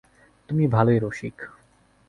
তুমি ভালোই রসিক।